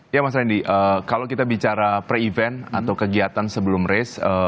ya mas randy kalau kita bicara pre event atau kegiatan sebelum race